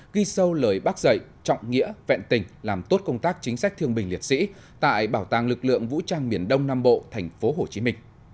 ghi sâu lời bác dạy trọng nghĩa vẹn tình làm tốt công tác chính sách thương binh liệt sĩ tại bảo tàng lực lượng vũ trang miền đông nam bộ tp hcm